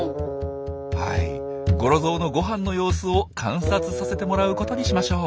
はいゴロゾウのご飯の様子を観察させてもらうことにしましょう。